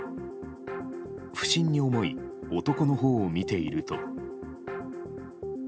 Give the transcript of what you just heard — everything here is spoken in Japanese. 不審に思い男のほうを見ていると。